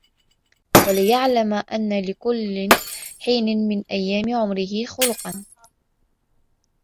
وَلْيَعْلَمْ أَنَّ لِكُلِّ حِينٍ مِنْ أَيَّامِ عُمُرِهِ خُلُقًا